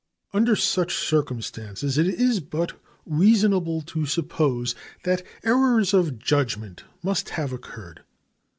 Under such circumstances it is but reasonable to suppose that errors of judgment must have occurred.